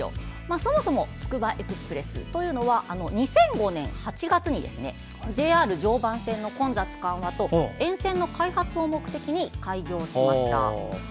そもそもつくばエクスプレスというのは２００５年８月にＪＲ常磐線の混雑緩和と沿線の開発を目的に開業しました。